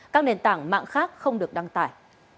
các nền tảng mạng khác không được đăng tải